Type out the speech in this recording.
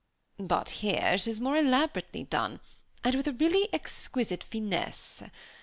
But here it is more elaborately done, and with a really exquisite finesse.